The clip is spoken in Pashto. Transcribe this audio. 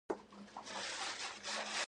جنازې په مراسموبدل سول.